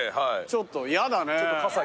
ちょっとやだね。